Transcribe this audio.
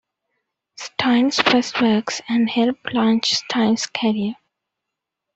Stine's first works and helped launch Stine's career.